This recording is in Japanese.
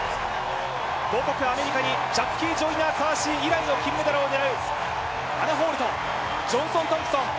母国アメリカにジャッキー・ジョイナー・カーシー以来の金メダルを狙うアナ・ホールとジョンソン・トンプソン。